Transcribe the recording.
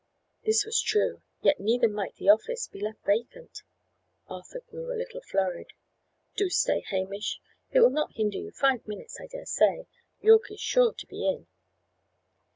This was true: yet neither might the office be left vacant. Arthur grew a little flurried. "Do stay, Hamish: it will not hinder you five minutes, I dare say. Yorke is sure to be in."